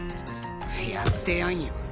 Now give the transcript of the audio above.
やってやんよ！